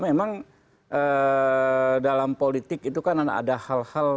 memang dalam politik itu kan ada hal hal